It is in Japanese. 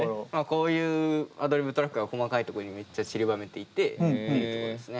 こういうアドリブトラックは細かいとこにめっちゃちりばめていて。